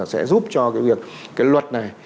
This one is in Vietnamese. sẽ giúp cho cái việc cái luật này